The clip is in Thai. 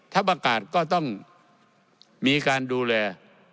ทัพอากาศก็ต้องมีการดูแล